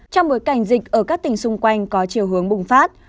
trong bối cảnh dịch ở các tỉnh xung quanh có chiều hướng bùng phát